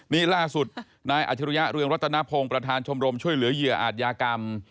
นี่ล่าสุดนายอัจฉริยะเรืองรัตนพงศ์ประธานชมรมช่วยเหลือเหยื่ออาจยากรรม